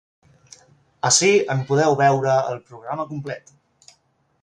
Ací en podeu veure el programa complet.